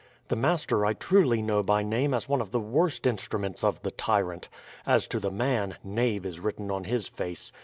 "The master I truly know by name as one of the worst instruments of the tyrant; as to the man, knave is written on his face.